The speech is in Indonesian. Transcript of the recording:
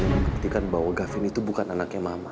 yang membuktikan bahwa gafin itu bukan anaknya mama